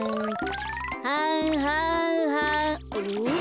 はんはんはんおっ？